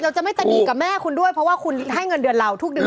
จะไม่ตะหนีกับแม่คุณด้วยเพราะว่าคุณให้เงินเดือนเราทุกเดือน